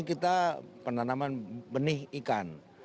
kami mencari penanaman benih ikan